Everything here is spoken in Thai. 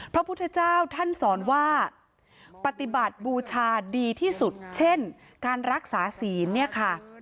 พระพุทธเจ้าท่านสอนว่าปฏิบัติบูชาดีที่สุดเช่นการรักษาศีลเนี่ยค่ะ